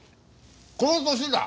この歳だ！